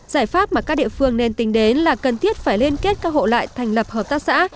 giải pháp mà các địa phương nên tính đến là cần thiết phải liên kết các hộ lại thành lập hợp tác xã